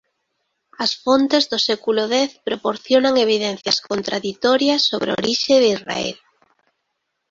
As fontes do século X proporcionan evidencias contraditorias sobre a orixe de Israel.